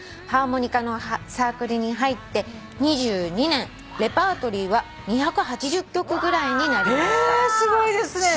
「ハーモニカのサークルに入って２２年」「レパートリーは２８０曲ぐらいになりました」